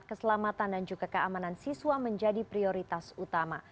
keselamatan dan juga keamanan siswa menjadi prioritas utama